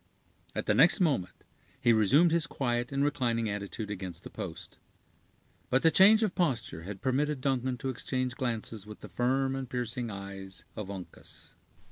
At the next moment he resumed his quiet and reclining attitude against the post. But the change of posture had permitted Duncan to exchange glances with the firm and piercing eyes of Uncas.